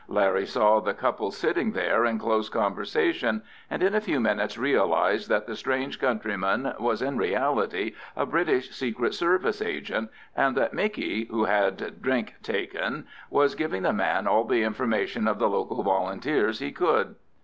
Larry saw the couple sitting there in close conversation, and in a few minutes realised that the strange countryman was in reality a British Secret Service agent, and that Micky, who had drink taken, was giving the man all the information of the local Volunteers he could.